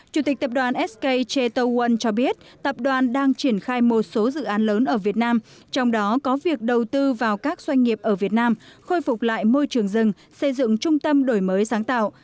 chủ tịch tập đoàn sko world cho biết tập đoàn đang triển khai một số dự án lớn ở việt nam trong đó có việc đầu tư vào các doanh nghiệp ở việt nam khôi phục lại môi trường rừng xây dựng trung tâm đổi mới sáng tạo